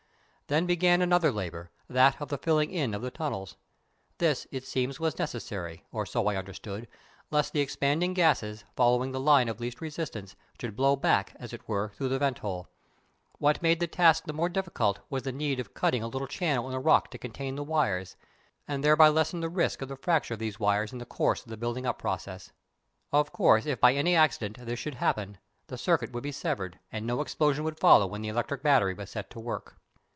Then began another labour, that of the filling in of the tunnels. This, it seems, was necessary, or so I understood, lest the expanding gases, following the line of least resistance, should blow back, as it were, through the vent hole. What made that task the more difficult was the need of cutting a little channel in the rock to contain the wires, and thereby lessen the risk of the fracture of these wires in the course of the building up process. Of course, if by any accident this should happen, the circuit would be severed, and no explosion would follow when the electric battery was set to work.